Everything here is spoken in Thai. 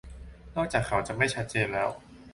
นอกจากเขาจะไม่ชัดเจนแล้ว